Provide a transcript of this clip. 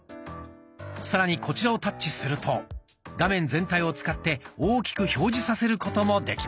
さらにこちらをタッチすると画面全体を使って大きく表示させることもできます。